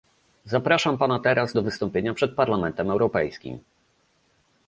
Zapraszam pana teraz do wystąpienia przed Parlamentem Europejskim